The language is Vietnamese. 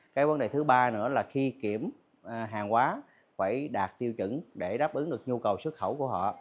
cái vấn đề thứ ba nữa là khi kiểm hàng hóa phải đạt tiêu chuẩn để đáp ứng được nhu cầu xuất khẩu của họ